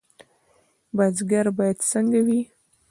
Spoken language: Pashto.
بزګر باید څنګه وي؟